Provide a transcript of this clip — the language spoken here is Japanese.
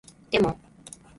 でも